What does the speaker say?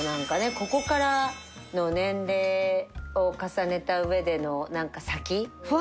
ここからの年齢を重ねたうえでのなんか先？